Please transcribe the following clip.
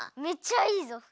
めっちゃいいぞ。